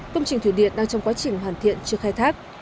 công trình thủy điện đang trong quá trình hoàn thiện chưa khai thác